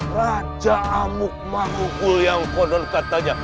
raja amuk makhlukul yang kondor katanya